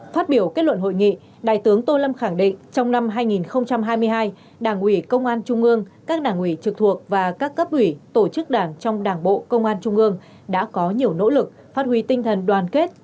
phát biểu kết luận hội nghị đại tướng tô lâm khẳng định trong năm hai nghìn hai mươi hai đảng ủy công an trung ương các đảng ủy trực thuộc và các cấp ủy tổ chức đảng trong đảng bộ công an trung ương đã có nhiều nỗ lực phát huy tinh thần đoàn kết